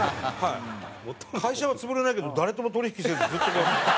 会社は潰れないけど誰とも取引せずずっとこうやって。